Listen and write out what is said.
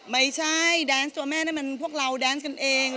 ไม่ใช่แดนซ์ตัวแม่นั่นมันพวกเราแดนซ์กันเอง